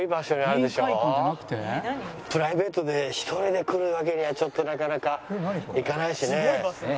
プライベートで１人で来るわけにはちょっとなかなかいかないしね。